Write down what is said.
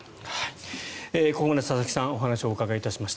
ここまで佐々木さんお話をお伺いしました。